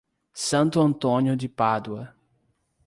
Santo Antônio de Pádua